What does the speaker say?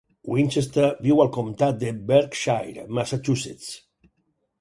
Winchester viu al comtat de Berkshire, Massachusetts.